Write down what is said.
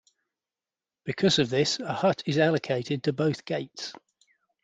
Because of this, a hut is allocated to both gates.